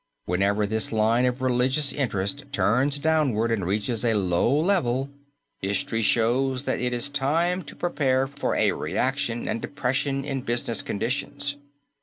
Whenever this line of religious interest turns downward and reaches a low level, history shows that it is time to prepare for a reaction and depression in business conditions.